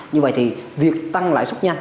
như vậy thì việc tăng lãi xuất nhanh